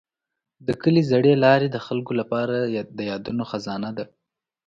د کلي زړې لارې د خلکو لپاره د یادونو خزانه ده.